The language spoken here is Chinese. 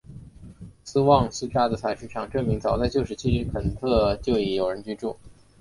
斯旺斯扎的采石场证明早在旧石器时代肯特就已有人居住。